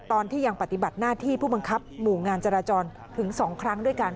ตอนที่ยังปฏิบัติหน้าที่ผู้บังคับหมู่งานจราจรถึง๒ครั้งด้วยกัน